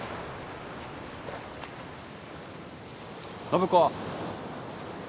暢子。